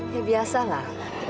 ya biasa lah